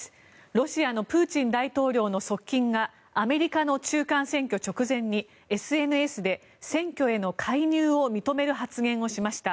ロシアのプーチン大統領の側近がアメリカの中間選挙直前にＳＮＳで選挙への介入を認める発言をしました。